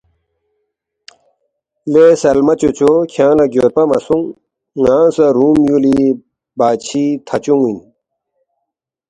”لے سلمہ چوچو کھیانگ لہ گیودپہ مہ سونگ، ن٘انگ سہ رُوم یُولی بادشی تھہ چُونگ خان اِن